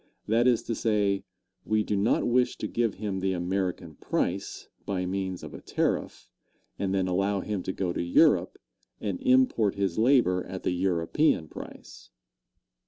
That is to say, we do not wish to give him the American price, by means of a tariff, and then allow him to go to Europe and import his labor at the European price.